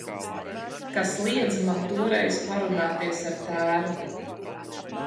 Kas liedza man toreiz parunāties ar tēvu.